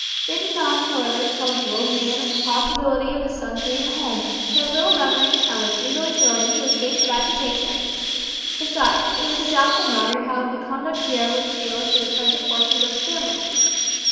They did not, however, tell the old man of the possibility of his son's being at home, he had little memory, and was easily thrown into a state of agitation; besides, it was a doubtful matter how the Condottiere would feel as to the present fortunes of the family.